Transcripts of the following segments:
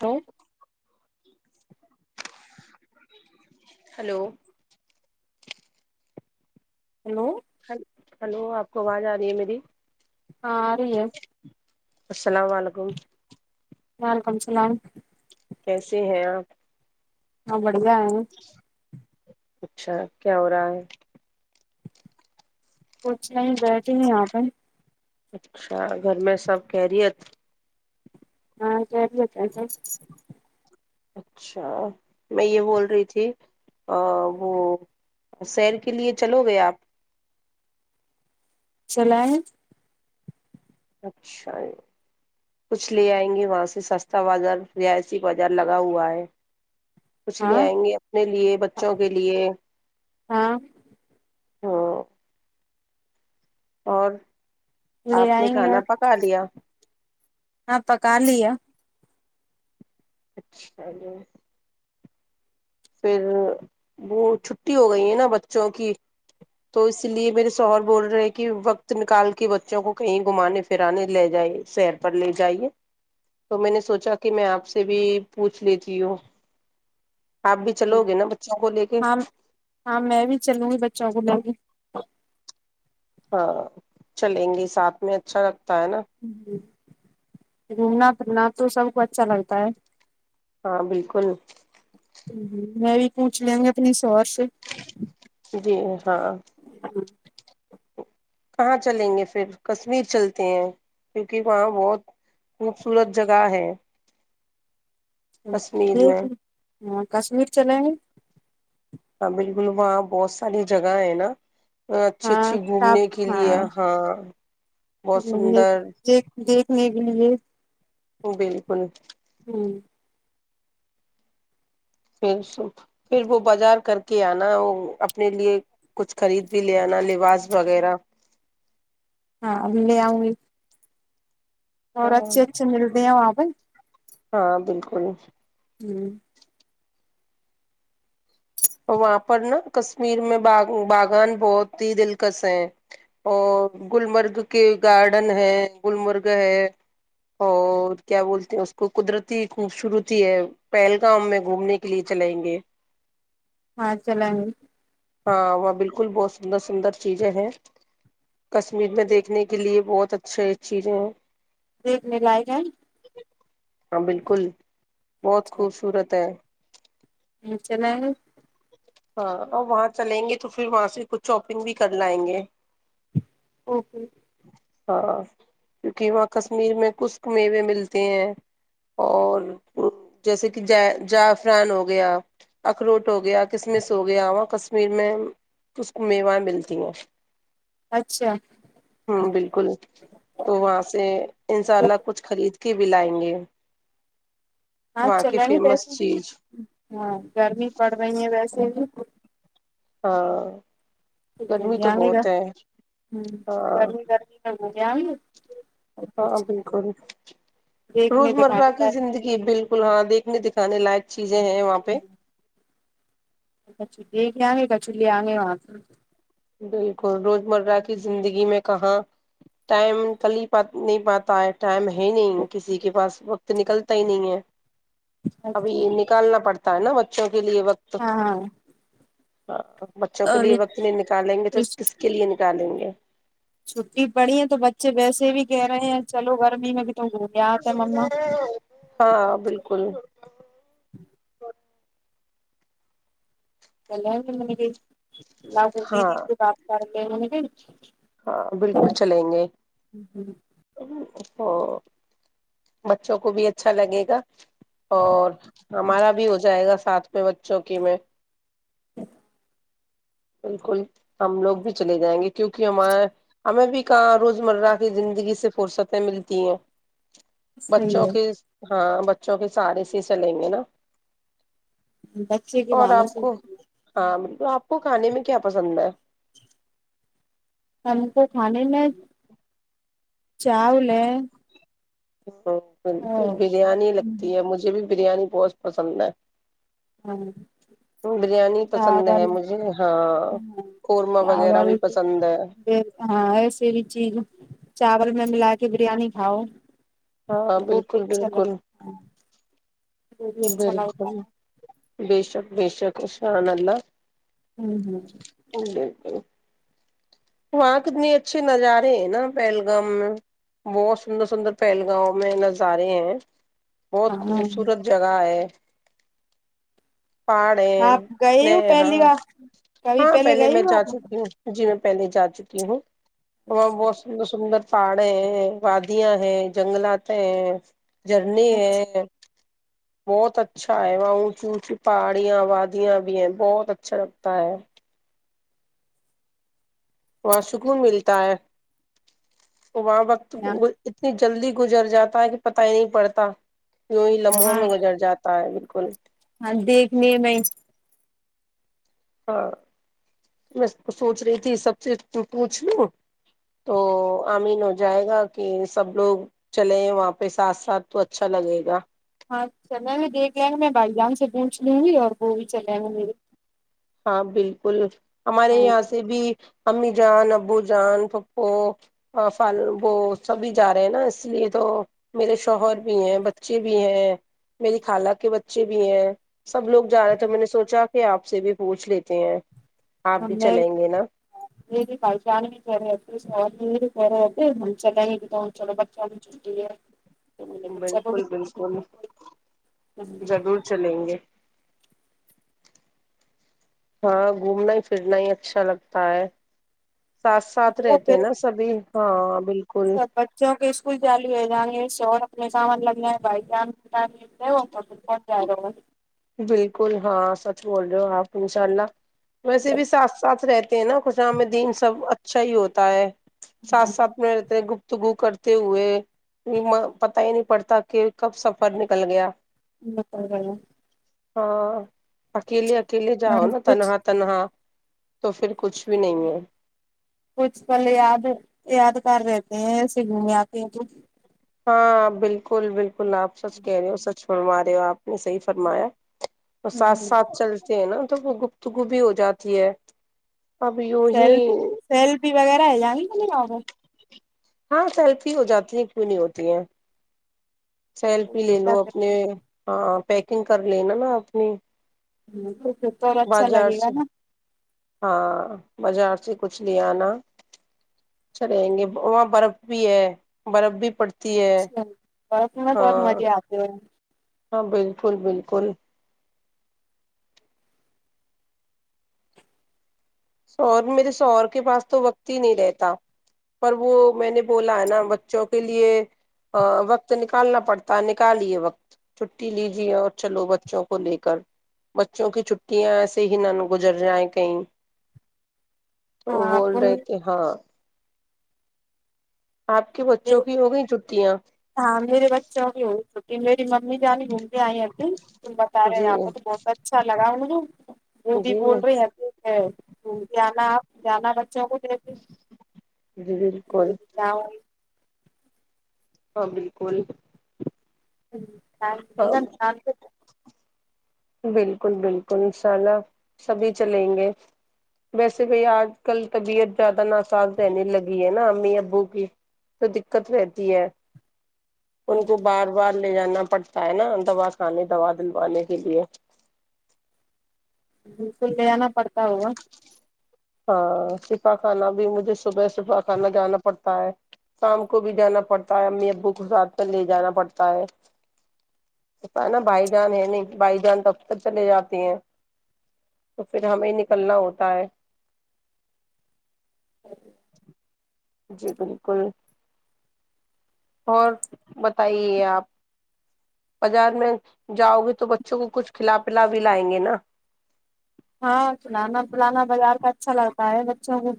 ہ hello hello hello آپ کو آواز آ رہی ہے میری ہاں ا رہے السلام علیکم وعلیکم اللام کیسے ہیں آپ ہو ب بدا اچھا کیا ہو رہا ہے کچھ نہیں بیٹھے نہیں آپن اچھا گھر میں سب کہہ رہی ہے ہاں ج ب چ ج اچھا میں یہ بول رہی تھی وہ سیر کے لیے چلو گے آپ چلیںیں اچھا کچھ لے آئیں گے وہاں سے سستا بازار رہائشی بازار لگا ہوا ہے کچھ ہاں لے آئیں گے اپنے لیے بچوں کے لیے ہاں ہاں اور لے آپ نے کھانا پکا دیا آپا کالیا اچھا جی پھر وہ چھٹی ہو گئی ہے نا بچوں کی تو اس لیے میرے شوہر بول رہے کہ وقت نکال کے بچوں کو کہیں گھمانے پھرانے لے جائی سہیر پر لے جائیے تو میں نے سوچا کہ میں آپ سے بھی پوچھ لیتی ہوں آپ بھی ہ چلو گے نا بچوں کو لے کے ہاں ہاں میں بھی چلوں گی بچوں کو لےی ہ ہاں چلیں گے ساتھ میں اچھا لگ جی جی گھومنا پھرنا تو سب کو اچھا لگتا ہے ہاں بالکل میں بھی پوچھ لیا گے اپنی سور سے جی ہاں کہاں چلیں گے پھر کشمیر چلتے ہیں کیونکہ وہاں بہت خوبصورت جگہ ہے ا ج کشمیر میں ہاں کشمیر چلیں گ ہاں بالکل وہاں بہت ساری جگہ ہے نا اچھی ہاں اچھی گھومنے کے لیے ہاں بہت ہ سندر دیک دیکھنے کے لیے وہ بالکل پھر س پھر وہ بازار کر کے آنا وہ اپنے لیے کچھ خرید بھی لے آنا لباس وغیرہ ہاں اے اور ہاں اچھے اچھے ملتے ہیں وہاں ہ ہاں بالکل ہوں اور وہاں پر نا کشمیر میں با باغان بہت ہی دلکش ہیں اور گلمرگ کے گارڈن ہے گلمرگ ہے اور کیا بولتے ہیں اس کو قدرتی خوبصورتی ہے پہلگام میں گھومنے کے لیے چلیں گے [unintelligible] ہاں چل گ [unintelligible] ہاں وہاں بالکل بہت سندر سندر چیزیں ہیں کشمیر میں دیکھنے کے لیے بہت اچھے چیزیں ہیں دیکھنے لائق ہے ہاں بالکل بہت خوبصورت ہے چل [unintelligible] ہاں اور وہاں چلیں گے تو پھر وہاں سے کچھ شاپنگ بھی کر لائیں گے اوکے ہاں کیونکہ وہاں کشمیر میں کشک میوے ملتے ہیں اور جیسے کہ ج جعفران ہو گیا اخروٹ ہو گیا کسم س ہو گیا ہواں کشمیر میں ک کو میوائیں ملتی ہیں اچھا ہ بالکل تو وہاں سے انشاء اللہ کچھ خرید کے بھی لائیں گے ہاں وہاں چل کی گ فیمس ویسے چیز ہاں گرمی پڑ رہی ہے ویسے ج [unintelligible] ہاں [unintelligible] ٹیک ہے ج گرمی تو آ گ گا بہت ہے ہ ہاں گرمی گرمی ل [unintelligible] [inaudible] ہاں بالکل روز دیکھنے مرہ دکھانے کی لائق زندگی بالکل ہاں دیکھنے د س لائٹس [unintelligible] چیزیں ہیں وہاں پہ اچ چے کے آئ گے گ چولہے آئ گے وہاں پ [unintelligible] بالکل روز مرہ کی زندگی میں کہاں ٹائم کل پ نہیں پاتا ہے ٹائم ہے نہیں کسی کے پاس وقت نکلتا ہی نہیں ہے [unintelligible] ابھی اچھا نکالنا پڑتا ت نا بچوں کے لیے وقت ہاں ہاں ہ [unintelligible] بچوں کے اور لیے وقت میں گے کس کے لیے نکالیں گے چھٹی پڑی ہے تو بچے ویسے بھی کہہ رہے ہیں چلو گرمی میں بھی تم گھوم آتے مما ہاں بالکل اللہ مے [unintelligible] ل ہاں دیدی سے بات کرتے [unintelligible] ای [unintelligible] ہاں بالکل چلیں گے تو بچوں کو بھی اچھا لگے گا اور ہمارا بھی ہو جائے گا سات میں بچوں کی میں اچ بالکل ہم لوگ بھی چلے جائیں گے کیونکہ ہمار ہمیں بھی کہاں روز مرہ کی زندگی سے فرصتیں ملتی ہیں صحیح بچوں ہے کی ہاں بچوں کی ساری سی چلیں گے نا بچے کے اور بہانے آپ سے کو ہاں ب تو آپ آ کو کھانے میں کیا پسند ہے ہم کو کھانے میں چاؤول ہ بالکل بریانی لگتی ہے مجھے بھی بریانی بہت پسند ہے ہاں بریانی پسند چاول ہے مجھے ہاں ہ قورمہ وغیرہ چاول بھی پسند ہے ہاں ایسے بھی چیز چاول میں ملا کہ بریانی کھاؤ ہاں تو وہ بھی بالکل اچھا بالکل لگتا ہے وہ بھی اچھا لگتا ہے ب شک ب شک ا ش آانلہ ہ بالکل وہاں کتنے اچھے نظارے ہیں نا پہلگام میں بہت سندر سندر پہلگامؤ میں نظارے ہیں بہت ہاں خوبصورت جگہ ہے پہاڑ آپ گئے ہے ہو پہلی ہاں بار کبھی ہاں پہلے گئے میں ہو جا آپ چکی ہوں جی میں پہلے جا چتیی ہوں وہ اچھا بہت سندر سندر پہاڑ ہے وادیاں ہے جنگلات ہے جرنی بہت اچھا ہے وہاں اونچی اونچی پہاڑیاں وادیاں بھی ہیں بہت اچھا لگتا ہے وہ سکون ملتا ہے وہاں وقت اچھا اتنی جلدی گزر جا ہے کہ پت ہی نہیں پڑتا یوں ہی لمحوں ہاں میں گزر جاتا ہے کون ہاں دیکھنے میں ہاں میں سوچ رہی تھی سب سےز پوچھ لوں تو آمین ہو جائے گا کہ سب لوگ چلے وہاں پہ ساتھ ساتھ تو اچھا لگے گا ہاں چلے میں دیکھ لیں گے میں بھائی جان سے پوچھ لوں گی اور وہ بھی چلےیں گے میرے ہاں بالکل ہمارے ہاں یہاں سے بھی امی جان ابو جان پپو فالو سبھی جا رہے ہیں نا اس لیے تو میرے شوہر بھی ہیں بچے بھی ہیں میری خالہ کے بچے بھی ہیں سب لوگ جا رہے تھے میں نے سوچا آپ سے بھی پوچھ لیتے ہیں آپ ہم بھی نے چلیں گے نا م بھی پہچان بھی کر رہی بےب ہم چلیں تو چلو بچہ چلٹی ہے تو میں نے چلو بالکل بالکل ضرور چلیں گے ہاں گھومنا ہی پھرنا ہی اچھا لگتا ہے ساتھ ساتھ وہ رہتے پھر ہیں نا سبھی ہاں بالک سب بچوں کے کچھ جیالو ہو جائ گے اس ش اور اپنے کا مطلب میں بھائی جام کون جار بالکل ہاں سچ بول رہے ہو آپ انشاء اللہ ویسے بھی ساتھ ساتھ رہتے ہیں نا خش میں دن سب اچھا ہی ہوتا ہے سات ساتھ میںتےے گپت تگو کرتے ہوئے پتا ہی نہیں پڑتا کہ کب سفر نکل گیا ان سن رہا گ ہاں اکیلی کے لیے جاؤ نا کچھ تنہا تنہا تو پھر کچھ بھی نہیں ہے کچھ پل یاد یاد کر رہے تھ ایسے گھومنے آتے ہیں تو ہاں بالکل بالکل گلاب سچ کہہ رہے ہو س چھڑوا رہے ہو آپ نے صحیح فرمایا تو ساتھ ساتھ چلتے ہیں نا تو وہ گفتگو بھی ہو جاتی ہے اب یوں ہی سیلفی سیلفی وغیرہ ہے جانی میرےااں کو ہاں سیلفی ہو جاتی ہیں کیوں نہیں ہوتی ہیں اور سیلفی پھر لے لو اپنے ہاں پیکنگ کر لینا نا اپنی ہ بازار سے ہاں بازار سے [unintelligible] سے کچھ لے آنا چلیں گے وہاں برف بھی ہے برف بھی [unintelligible] ہے اچھا برس میں بہت ہاں مزے آتے ہیں [unintelligible] ہاں بالکل بالکل [unintelligible] ش میرے شوہر کے پاس تو وقت ہی نہیں رہتا پر وہ میں نے بولا ہے نا بچوں کے لیے وقت نکالنا پڑتا نکالیے وقت چھٹی لیجے اور چلو بچوں کو لے کر بچوں کی چھٹیاں ایسے ہی نہ گزر جائیں کہیں [unintelligible] تو وہ ہاں بول رہے تھے ہاں [unintelligible] آپ کے بچوں کی ہو گئی چھٹیاں [unintelligible] ان [unintelligible] می ممی جانانیے گھوم کے آئی اھی تم بتا رہے ہیں یہ جی آپ کو تو بہت اچھا لگا مجھے وہ بھی جی بول رہے ہیں جانا آپ جانا چ کو دے جی بالکل [unintelligible] ہاں بالکل [unintelligible] ہ ہاں ت ک [unintelligible] بالکل بالکل انشاء اللہ سبھی چلیں گے ویسے بھائی آج کل طبیعت زیادہ ناسااز رہنے لگی ہے نا امی ابو کی تو دقت رہتی ہے [unintelligible] ان کو بار بار [unintelligible] لے جانا پڑتا ہے نا دوا کھانے دوا دلوانے کے لیے [unintelligible] بالکل لےانا پڑتا ہوا [unintelligible] ہاں شفا خانہ بھی مجھے صبح شفا خانہ جانا پڑتا ہے شام کو بھی جانا پڑتا ہے امی ابو کو ساتھ میں لے جانا پڑتا ہے س ہے نا بھائی جان ہے نہیں بھائی جان ت اب تک چلے جاتے ہیں تو پھر ہمیں نکلنا ہوتا ہے [unintelligible] جی بالکل اور بت ہیے آپ بازار میں جاؤ گے تو بچوں کو کچھ کھلا پلا بھی لائیں گے نا ہاں پلانا پلانا بازار کا اچھا لگتا ہے بچوں کو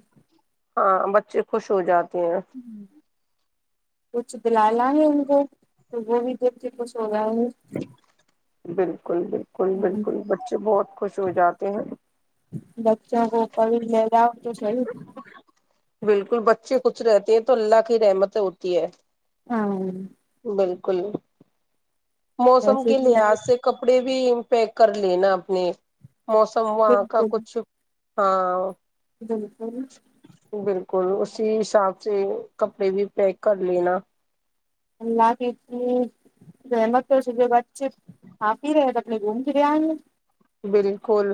ہاں بچے خوش ہو جاتے [unintelligible] کہ [unintelligible] کچھ دلا لا گے ان کو تو وہ بھی دیک کے ک [unintelligible] بالکل بالکل گے بالکل بچے بہت [unintelligible] خوش ہو جاتے ہیں بچا گوپل ل جاؤ [unintelligible] توساہ [unintelligible] بالکل بچے کچھ رہتے ہیں تو اللہ کی رحمت ہوتی ہے [unintelligible] ہاں [unintelligible] کل [unintelligible] موسم کے بھی لحاظ سے کپڑے بھی [unintelligible] پ کر ل نا اپنے [unintelligible] موسم وہاں کا کچھ [unintelligible] ہاں ج س بالکل اسی حساب سے کپڑے بھی پیک کر لینا اللہ کی تم کیا س جو بات آپ ہی رہے ہیں تو اپنے گھوم کے لے آئ گے بالکل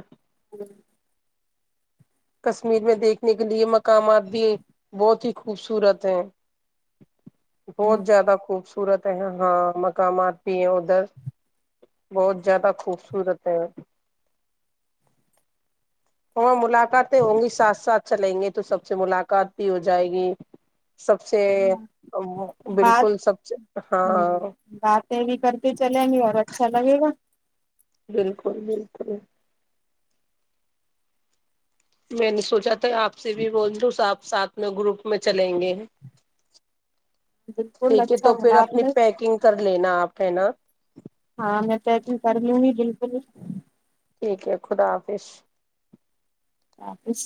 کشمیر میں دیکھنے کے لیے مقامات بھی بہت ہی خوبصورت ہیں بہت زیادہ خوبصورت خوبصورت ہیں ہاں مقامات بھی ہیں ادھر بہت زیادہ خوبصورت ہیں ہاں ملاقاتیں ہوں گی ساتھ ساتھ چلیں گے تو سب سے ملاقات بھی ہو جائے گی سب سے ہ بات بالکل سب سے ہ ہاں باتیں بھی کرتے چلیں گے اور اچھا لگے گا بالکل بالکل میں نے سوچا تھا آپ سے بھی بول دوںا آپ ساتھ میں گروپ میں چلیں گے ہیں بالکل اچھا ہونا آپ نے پیکنگ کر لینا آپ ہے نا ہاں میں چیکنگ کر لوں گی بالکل بلی ٹھیک ہے خدا حافظ آفس